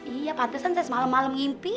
iya patusan saya semalam malam ngimpi